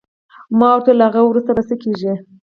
ما ورته وویل: له هغه وروسته به څه کېږي؟